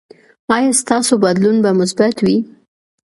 ایا ستاسو بدلون به مثبت وي؟